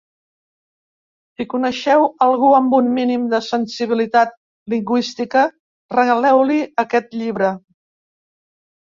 Si coneixeu algú amb un mínim de sensibilitat lingüística, regaleu-li aquest llibre.